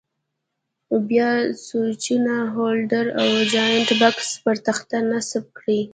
بیا سویچونه، هولډر او جاینټ بکس پر تخته نصب کړئ.